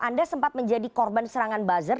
anda sempat menjadi korban serangan buzzer